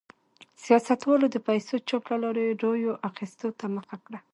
سیاستوالو د پیسو چاپ له لارې رایو اخیستو ته مخه کړه.